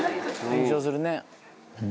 緊張するね。